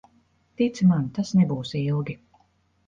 Tici man, tas nebūs ilgi.